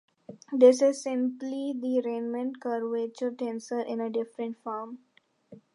This is simply the Riemann curvature tensor in a different form.